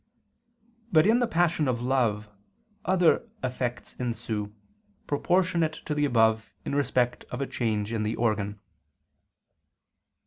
But in the passion of love, other effects ensue, proportionate to the above, in respect of a change in the organ.